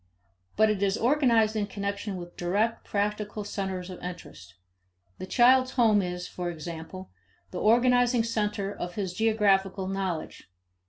But it is organized in connection with direct practical centers of interest. The child's home is, for example, the organizing center of his geographical knowledge.